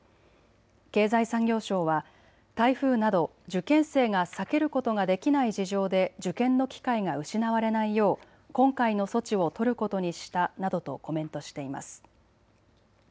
経済産業省は台風など受験生が避けることができない事情で受験の機会が失われないよう今回の措置を取ることにしたなどとコメントしています。